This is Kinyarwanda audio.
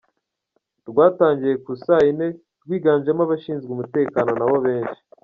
Rwatangiye ku isaa yine rwiganjemo abashinzwe umutekano na bo benshi.